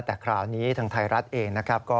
แต่คราวนี้ทางไทยรัฐเอง